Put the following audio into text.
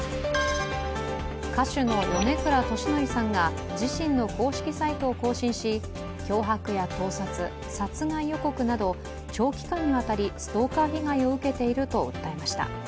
歌手の米倉利紀さんが自身の公式サイトを更新し脅迫や盗撮、殺害予告など長期間にわたりストーカー被害を受けいてると訴えました。